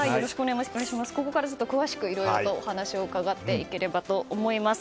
ここから詳しくいろいろお話を伺っていければと思います。